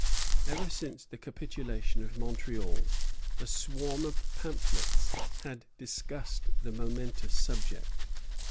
Ever since the capitulation of Montreal a swarm of pamphlets had discussed the momentous subject.